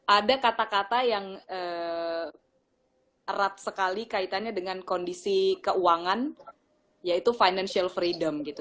ada kata kata yang erat sekali kaitannya dengan kondisi keuangan yaitu financial freedom gitu